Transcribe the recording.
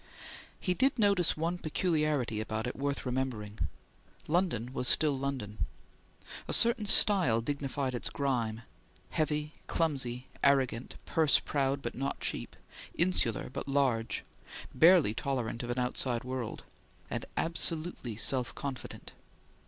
He did notice one peculiarity about it worth remembering. London was still London. A certain style dignified its grime; heavy, clumsy, arrogant, purse proud, but not cheap; insular but large; barely tolerant of an outside world, and absolutely self confident.